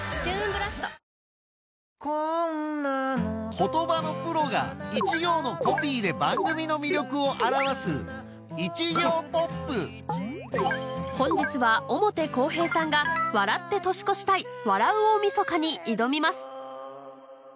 言葉のプロが一行のコピーで番組の魅力を表す本日は表公平さんが『笑って年越したい‼笑う大晦日』に挑みます